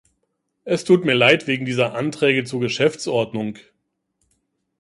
Es tut mir leid wegen dieser Anträge zur Geschäftsordnung.